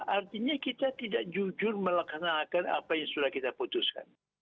artinya kita tidak jujur melaksanakan apa yang sudah kita putuskan